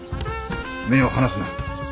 目を離すな。